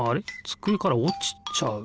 つくえからおちちゃう。